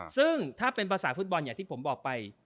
ซึ่งถ้าเป็นภาษาฟุตบอลอย่างที่ผมบอกไป